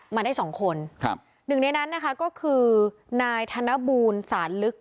มาได้สองคนหนึ่งในนั้นก็คือนายธนบูลศาลลึก